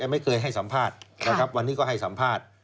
ไม่เคยให้สัมภาษณ์นะครับวันนี้ก็ให้สัมภาษณ์